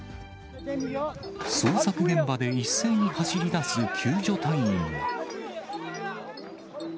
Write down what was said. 捜索現場で一斉に走りだす救助隊員。